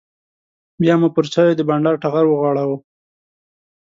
بیا مو پر چایو د بانډار ټغر وغوړاوه.